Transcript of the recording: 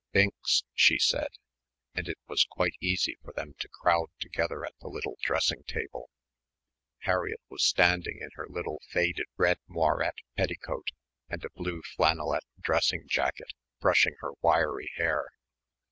"Binks," she said, and it was quite easy for them to crowd together at the little dressing table. Harriett was standing in her little faded red moirette petticoat and a blue flannelette dressing jacket brushing her wiry hair.